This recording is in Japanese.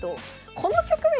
この局面